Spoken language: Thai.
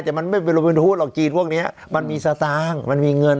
แต่มันไม่เป็นโรเมนฮูตหรอกจีนพวกนี้มันมีสตางค์มันมีเงิน